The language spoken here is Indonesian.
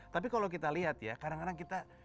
tapi kalau kita lihat ya kadang kadang kita